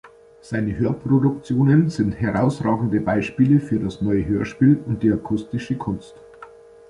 Seine Hör-Produktionen sind herausragende Beispiele für das Neue Hörspiel und die Akustische Kunst.